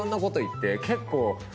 結構。